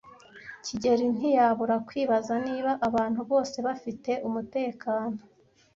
kigeli ntiyabura kwibaza niba abantu bose bafite umutekano.